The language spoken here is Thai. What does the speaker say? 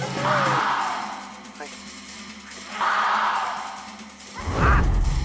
เฮ้ยอย่าเข้ามา